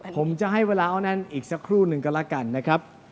ผมจะให้เวลาเอานั้นอีกสักครู่หนึ่งก็แล้วกันนะครับ